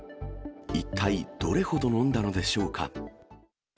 一体、どれほど飲んだのでしょうか。